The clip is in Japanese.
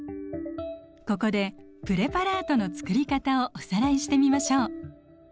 ここでプレパラートの作り方をおさらいしてみましょう。